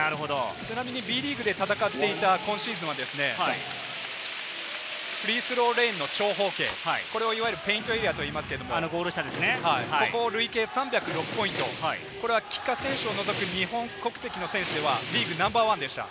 ちなみにＢリーグで戦っていた今シーズンはフリースローレーンの長方形、これをいわゆるペイントエリアと言いますけれども、ここ累計３０６ポイント、これは帰化選手を除く、日本国籍の選手はリーグナンバーワンでした。